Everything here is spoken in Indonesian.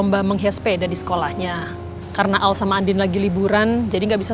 mau berangkat kerja sekarang